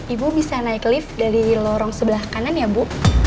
ibu bisa naik lift dari lorong sebelah kanan ya bu